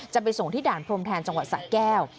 จะไปส่งที่ด่านพรมแทนจังหวัดสะแก้ว